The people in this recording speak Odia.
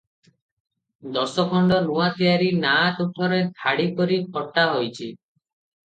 ଦଶଖଣ୍ଡ ନୂଆ ତିଆରି ନାଆ ତୁଠରେ ଧାଡ଼ି କରି ଖଟା ହୋଇଛି ।